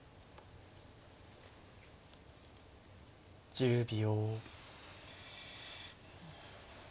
１０秒。